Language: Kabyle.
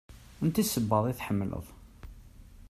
Aniti sebbaḍ i tḥemmleḍ?